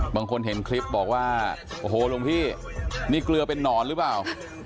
บางคนเห็นคลิปบอกว่าโอ้โหหลวงพี่นี่เกลือเป็นนอนหรือเปล่า